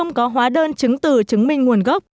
không có hóa đơn chứng từ chứng minh nguồn gốc